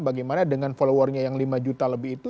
bagaimana dengan followernya yang lima juta lebih itu